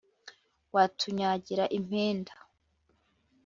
watunyagira impenda